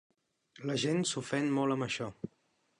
La gent s'ofèn molt amb això.